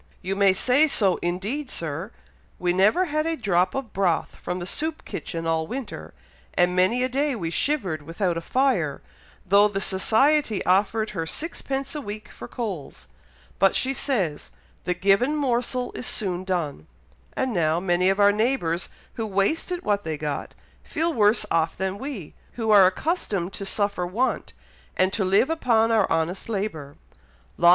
"You may say so, indeed, Sir! We never had a drop of broth from the soup kitchen all winter, and many a day we shivered without a fire, though the society offered her sixpence a week for coals, but she says 'the given morsel is soon done;' and now, many of our neighbours who wasted what they got, feel worse off than we, who are accustomed to suffer want, and to live upon our honest labour.